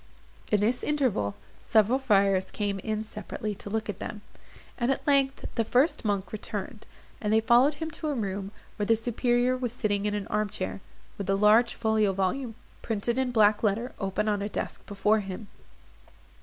In this interval, several friars came in separately to look at them; and at length the first monk returned, and they followed him to a room, where the superior was sitting in an arm chair, with a large folio volume, printed in black letter, open on a desk before him.